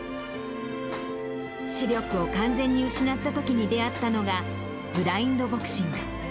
視力を完全に失ったときに出会ったのが、ブラインドボクシング。